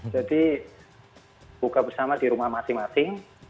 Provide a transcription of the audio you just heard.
jadi buka bersama di rumah masing masing